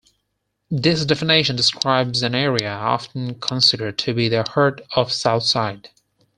This definition describes an area often considered to be the heart of Southside.